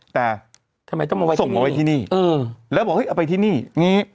แต่ทำไมต้องเอาไว้ที่นี่ส่งเอาไว้ที่นี่เออแล้วบอกเฮ้ยเอาไปที่นี่อย่างงี้